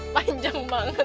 panjang banget pak